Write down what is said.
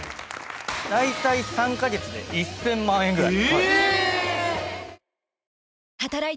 だいたい３カ月で１，０００万円ぐらい。